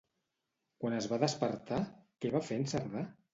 Quan es va despertar, què va fer en Cerdà?